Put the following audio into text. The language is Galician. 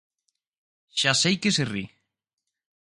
Xa sei que se ri.